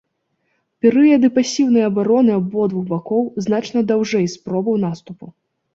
Перыяды пасіўнай абароны абодвух бакоў значна даўжэй спробаў наступу.